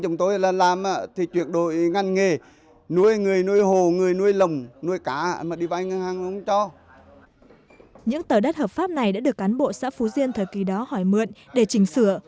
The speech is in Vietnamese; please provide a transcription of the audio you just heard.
những tờ đất hợp pháp này đã được cán bộ xã phú diên thời kỳ đó hỏi mượn để chỉnh sửa